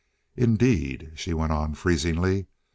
"Indeed," she went on freezingly.